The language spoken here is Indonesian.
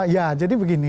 ya jadi begini